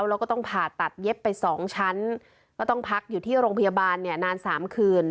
แล้วก็ต้องผ่าตัดเย็บไป๒ชั้นก็ต้องพักอยู่ที่โรงพยาบาลเนี่ยนาน๓คืน